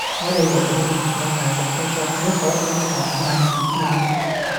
我哋還要明確題目對作者所選材料喺時間